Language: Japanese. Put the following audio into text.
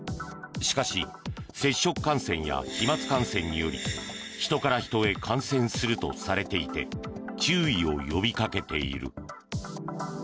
しかし接触感染や飛まつ感染により人から人へ感染するとされていて注意を呼びかけている。